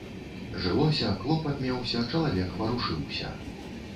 Жылося, клопат меўся, чалавек варушыўся.